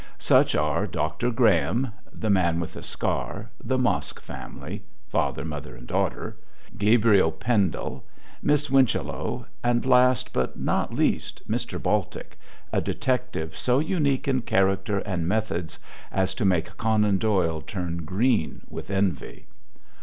Such are Doctor Graham, "The Man with a Scar," the Mosk family father, mother, and daughter Gabriel Pendle, Miss Winchello, and, last but not least, Mr. Baltic a detective so unique in character and methods as to make Conan Doyle turn green with envy.